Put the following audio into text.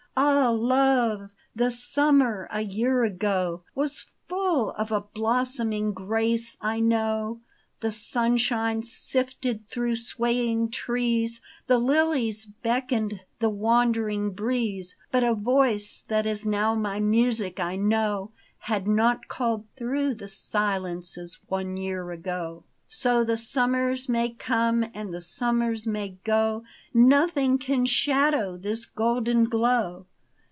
Ah, love ! the summer a year ago Was full of a blossoming grace, I know ; The sunshine sifted through swaying trees, The lilies beckoned the wandering breeze ; But a voice that is now my music, I know, Had not called through the silences one year ago. So the summers may come and the summers may go ; Nothing can shadow this golden glow.